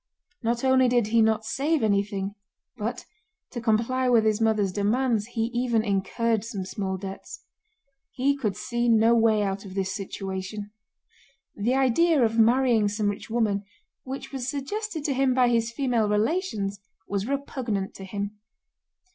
Not only did he not save anything, but to comply with his mother's demands he even incurred some small debts. He could see no way out of this situation. The idea of marrying some rich woman, which was suggested to him by his female relations, was repugnant to him.